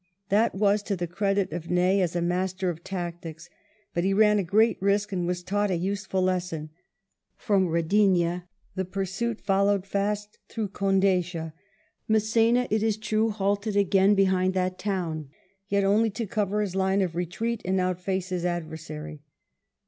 That was to the credit of Ney as a master of tactics, but he ran a great risk and was taught a useful lesson. From Eedhinha the pursuit followed fast through Condeixa. Mass^na, it is true, halted again behind that town, yet only to cover his line of retreat and outface his adversary.